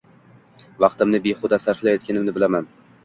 Vaqtimni behudaga sarflayotganimni bilaman.